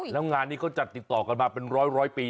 แล้วงานนี้เขาจัดติดต่อกันมาเป็นร้อยปี